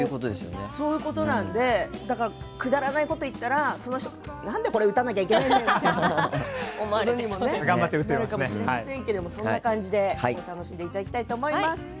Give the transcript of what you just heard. そういうことなんでくだらないこと言ったらその人なんで、これ打たなきゃいけないんだよっていうふうにもなるかもしれないですがそんな感じで楽しんでいただきたいと思います。